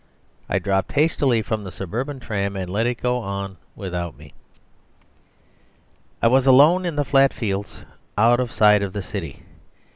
I dropped hastily from the suburban tram and let it go on without me. I was alone in the flat fields out of sight of the city.